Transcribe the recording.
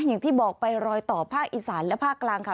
อย่างที่บอกไปรอยต่อภาคอีสานและภาคกลางค่ะ